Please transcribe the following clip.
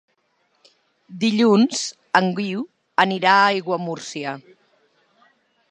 Dilluns en Guiu anirà a Aiguamúrcia.